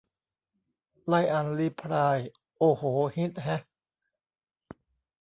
ไล่อ่านรีพลาย โอ้โห ฮิตแฮะ